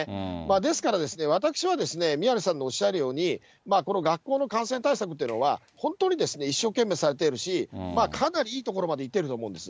ですから、私は宮根さんのおっしゃるように、この学校の感染対策というのは、本当に一生懸命されているし、かなりいいところまでいっていると思うんです。